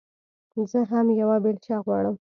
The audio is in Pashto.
زه هم يوه بېلچه غواړم.